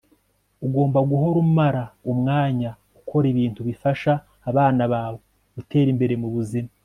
ugomba guhora umara umwanya ukora ibintu bifasha abana bawe gutera imbere mubuzima